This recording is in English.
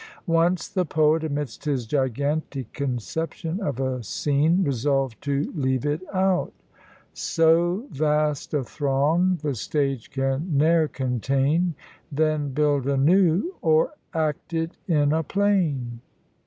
Once the poet, amidst his gigantic conception of a scene, resolved to leave it out: So vast a throng the stage can ne'er contain Then build a new, or act it in a plain!